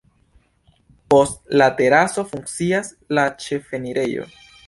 Post la teraso funkcias la ĉefenirejo.